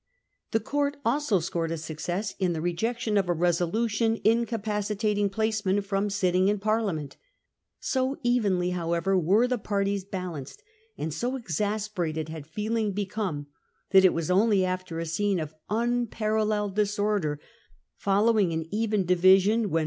The court also scored a success in the rejection of a resolution incapaci tating placemen from sitting in Parliament. So evenly however were parties balanced, and so exasperated had feeling become, that it was only after a scene of un paralleled disorder following an even division, when 236 Louis : William : Charles : Parliament 1675.